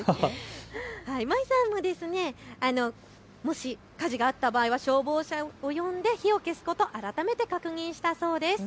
まいさんは、もし火事があった場合は消防車を呼んで火を消すこと、改めて確認したそうです。